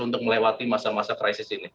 untuk melewati masa masa krisis ini